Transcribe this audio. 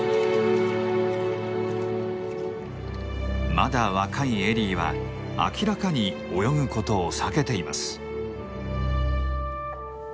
まだ若いエリーは明らかに泳ぐことを避けています。